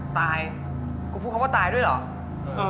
ตายกูพูดคำว่าตายด้วยเหรอ